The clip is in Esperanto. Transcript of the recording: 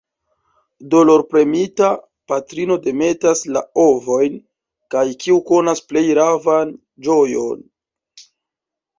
Dolorpremita, patrino demetas la ovojn, kaj, kiu konas plej ravan ĝojon?